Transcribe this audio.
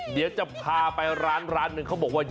เดี๋ยวจะพาไปร้านเนี่ยเค้าบอกว่า